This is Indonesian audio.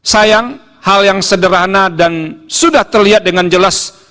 sayang hal yang sederhana dan sudah terlihat dengan jelas